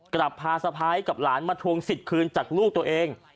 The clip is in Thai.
กลับพาสะพ้ายกับหลานมาทวงสิทธิ์คืนจากลูกตัวเอง